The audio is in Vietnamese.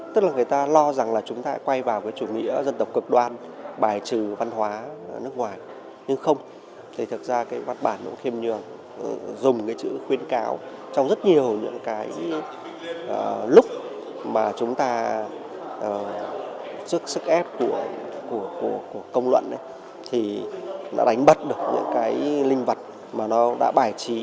thì đã đánh bật được những cái linh vật mà nó đã bài trí